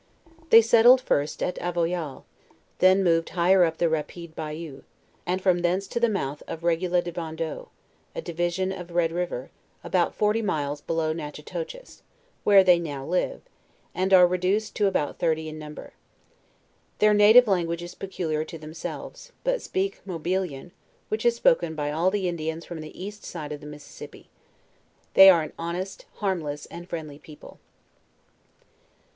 They settled first at Avoyall, then moved higher up the Rapide Bayou, and from thence to the mouth of Regula de Bondieu, a division of Red river, about forty miles below Natchitoches, where they now live, and are reduced to about thirty in number. Their native language is peculiar to themselves,, but speak Hobiliau 154 JOURNAL OF which is spoken by all the Indians from the east side of the Mississippi. They are an honest, harmless, and friendly people.